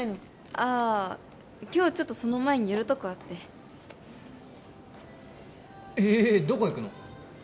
ああ今日はちょっとその前に寄るとこあってええっどこ行くの？